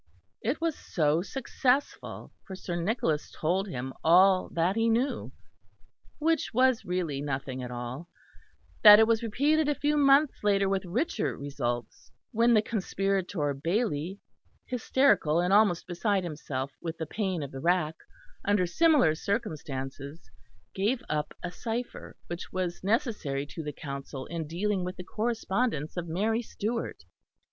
It was so successful, for Sir Nicholas told him all that he knew (which was really nothing at all) that it was repeated a few months later with richer results; when the conspirator Baily, hysterical and almost beside himself with the pain of the rack, under similar circumstances gave up a cypher which was necessary to the Council in dealing with the correspondence of Mary Stuart.